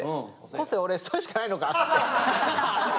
個性俺それしかないのかっつって。